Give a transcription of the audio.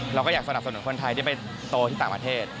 เราก็อยากสนับสนุนคนไทยที่ไปโตที่ต่างประเทศ